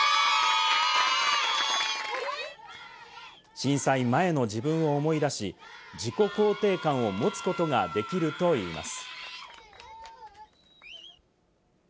震災前の自分を思い出し、自己肯定感を持つことができるといいます。